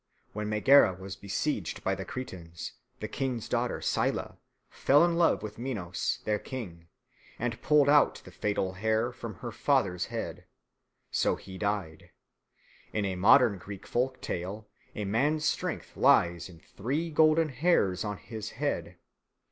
When Megara was besieged by the Cretans, the king's daughter Scylla fell in love with Minos, their king, and pulled out the fatal hair from her father's head. So he died. In a modern Greek folk tale a man's strength lies in three golden hairs on his head.